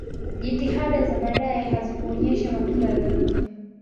jitihada za baadaye hazikuonyesha matunda yoyote